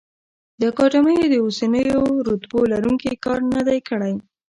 د اکاډمیو د اوسنیو رتبو لروونکي کار نه دی کړی.